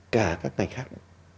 cả các ngành khác